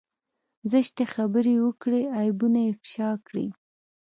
زشتې خبرې وکړي عيبونه افشا کړي.